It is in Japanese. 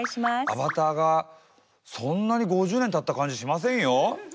アバターがそんなに５０年たった感じしませんよ！